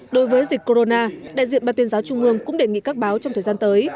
đối với dịch corona đại diện ban tuyên giáo trung ương cũng đề nghị các báo trong thời gian tới